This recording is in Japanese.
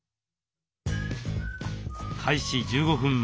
開始１５分前。